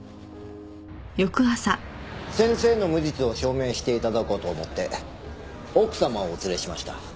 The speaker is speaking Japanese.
先生の無実を証明していただこうと思って奥様をお連れしました。